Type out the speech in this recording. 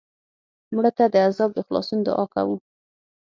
مړه ته د عذاب د خلاصون دعا کوو